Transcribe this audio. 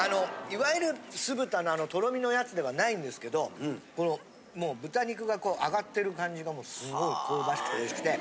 いわゆる酢豚のとろみのやつではないんですけどこのもう豚肉が揚がってる感じがもうすごい香ばしくておいしくて。